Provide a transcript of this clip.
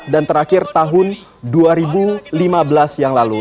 dan terakhir tahun dua ribu lima belas yang lalu